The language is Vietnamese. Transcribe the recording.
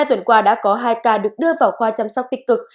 hai tuần qua đã có hai ca được đưa vào khoa chăm sóc tích cực